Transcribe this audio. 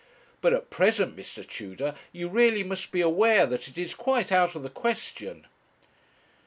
But at present, Mr. Tudor, you really must be aware that it is quite out of the question.'